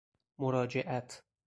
مراجعت